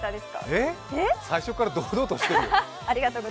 えっ？最初から堂々としてる。